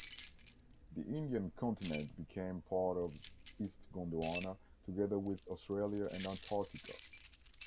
The Indian continent became part of East Gondwana, together with Australia and Antarctica.